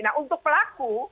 nah untuk pelaku